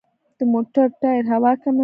د موټر ټایر هوا کمه وه.